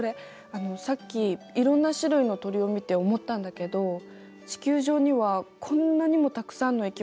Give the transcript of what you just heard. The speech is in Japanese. あのさっきいろんな種類の鳥を見て思ったんだけど地球上にはこんなにもたくさんの生き物が暮らしてるよね。